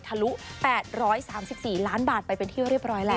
ทะลุ๘๓๔ล้านบาทไปเป็นที่เรียบร้อยแล้ว